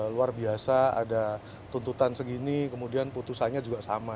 luar biasa ada tuntutan segini kemudian putusannya juga sama